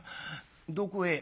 どこへ？」。